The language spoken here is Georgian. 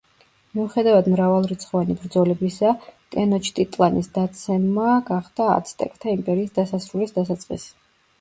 მიუხედავად მრავალრიცხოვანი ბრძოლებისა, ტენოჩტიტლანის დაცემა გახდა აცტეკთა იმპერიის დასასრულის დასაწყისი.